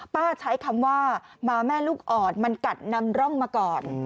ป้าใช้คำว่าหมาแม่ลูกอ่อนมันกัดนำร่องมาก่อน